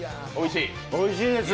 おいしいです。